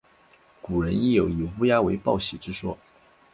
古人亦有以乌鸦为报喜之说。